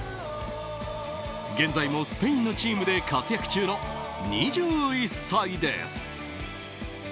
現在もスペインのチームで活躍中の２１歳です。